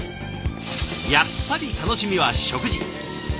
やっぱり楽しみは食事。